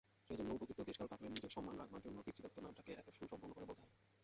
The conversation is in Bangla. সেইজন্যেই উপযুক্ত দেশকালপাত্রে নিজের সম্মান রাখবার জন্যে পিতৃদত্ত নামটাকে এত সুসম্পূর্ণ করে বলতে হয়।